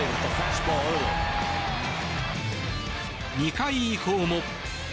２回以降も。